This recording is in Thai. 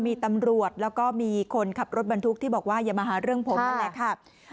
มีตำรวจแล้วก็มีคนขับรถบรรทุกที่บอกว่าอย่ามาหาเรื่องผมนั่นแหละค่ะ